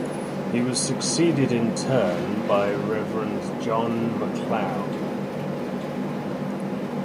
He was succeeded in turn by Rev John Macleod.